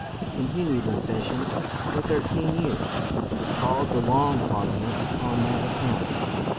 It continued in session for thirteen years, and is called the Long Parliament on that account.